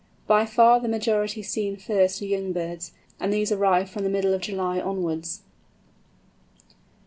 By far the majority seen first are young birds, and these arrive from the middle of July onwards.